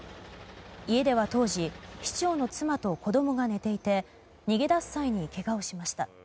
家では当時市長の妻と子供が寝ていて逃げ出す際にけがをしました。